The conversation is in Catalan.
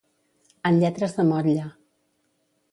En lletres de motlle.